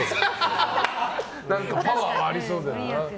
パワーありそうだよな。